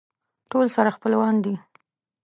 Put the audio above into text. ټول سره خپلوان دي.